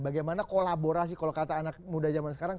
bagaimana kolaborasi kalau kata anak muda zaman sekarang